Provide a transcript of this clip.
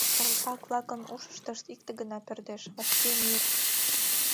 Салтак-влакын ушыштышт икте гына пӧрдеш: «Вашке мир!